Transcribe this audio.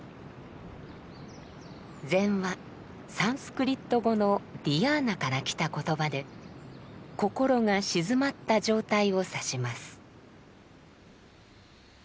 「禅」はサンスクリット語の「ディヤーナ」からきた言葉で「心が静まった状態」を指します。